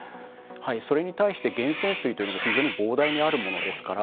それに対して源泉水というのが非常に膨大にあるものですから